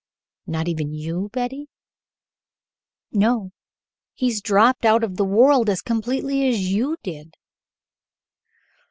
"Not even you, Betty?" "No; he has dropped out of the world as completely as you did."